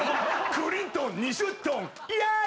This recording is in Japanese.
「クリントン２０トン」イエーイ！